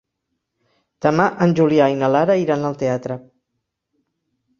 Demà en Julià i na Lara iran al teatre.